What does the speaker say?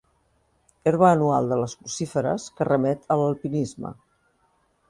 Herba anual de les crucíferes que remet a l'alpinisme.